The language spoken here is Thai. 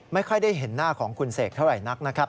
ไม่ค่อยได้เห็นหน้าของคุณเสกเท่าไหร่นักนะครับ